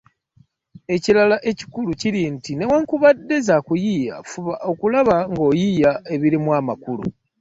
Ekirala ekikulu kiri nti newankubadde za kuyiiya, fuba okulaba ng’oyiiya ebirimu amakulu.